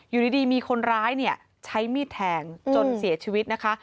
อยู่ดีมีคนร้ายใช้มีดแทงจนเสียชีวิตนะคะ